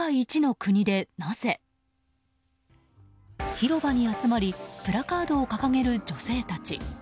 広場に集まりプラカードを掲げる女性たち。